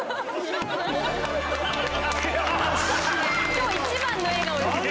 今日一番の笑顔ですね。